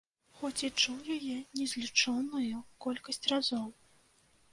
Хоць і чуў яе незлічоную колькасць разоў.